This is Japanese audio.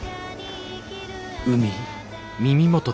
海。